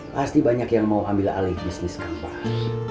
pasti banyak yang mau ambil alih bisnis kang bahar